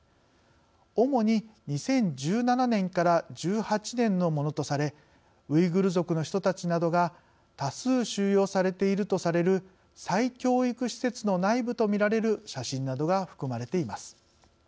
主に、２０１７年から１８年のものとされウイグル族の人たちなどが多数収容されているとされる再教育施設の内部と見られる写真などが含まれています。